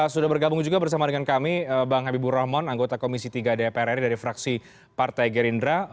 sudah bergabung juga bersama dengan kami bang habibur rahman anggota komisi tiga dpr ri dari fraksi partai gerindra